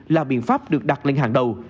là biện pháp được đặt lên hàng đầu